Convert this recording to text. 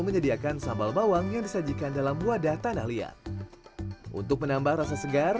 menyediakan sambal bawang yang disajikan dalam wadah tanah liat untuk menambah rasa segar